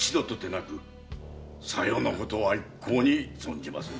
さようなことは一向に存じませぬ。